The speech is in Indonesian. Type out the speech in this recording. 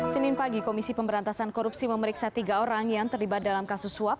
senin pagi komisi pemberantasan korupsi memeriksa tiga orang yang terlibat dalam kasus suap